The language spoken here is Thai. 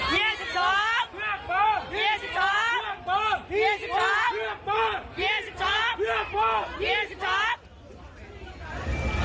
มีอะไรขึ้น